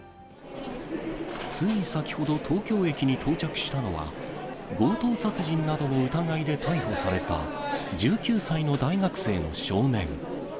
つい先ほど、東京駅に到着したのは、強盗殺人などの疑いで逮捕された、１９歳の大学生の少年。